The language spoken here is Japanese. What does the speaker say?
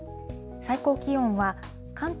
最高気温は関東